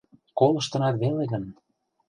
— Колыштынат веле гын...